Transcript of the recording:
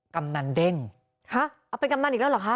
กำนันเด้งคะเอาเป็นกำนันอีกแล้วเหรอคะ